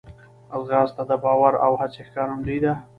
ځغاسته د باور او هڅې ښکارندوی ده